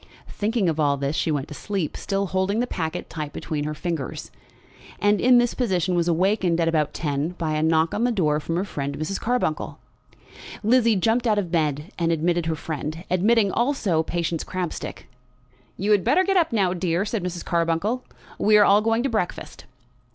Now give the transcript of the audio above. Thinking of all this, she went to sleep, still holding the packet tight between her fingers, and in this position was awakened at about ten by a knock at the door from her friend Mrs. Carbuncle. Lizzie jumped out of bed, and admitted her friend, admitting also Patience Crabstick. "You had better get up now, dear," said Mrs. Carbuncle. "We are all going to breakfast."